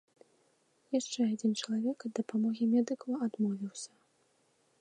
Яшчэ адзін чалавек ад дапамогі медыкаў адмовіўся.